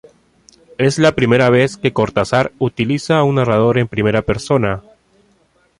Es la primera vez que Cortázar utiliza un narrador en primera persona.